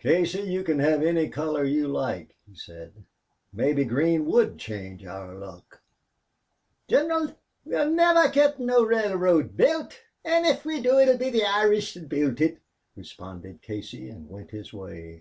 "Casey, you can have any color you like," he said. "Maybe green would change our luck." "Gineral, we'll niver git no railroad built, an' if we do it'll be the Irish thot builds it," responded Casey, and went his way.